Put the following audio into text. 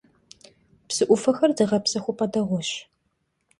Псы Ӏуфэхэр зыгъэпсэхупӀэ дэгъуэщ.